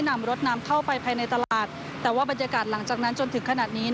นำรถน้ำเข้าไปภายในตลาดแต่ว่าบรรยากาศหลังจากนั้นจนถึงขนาดนี้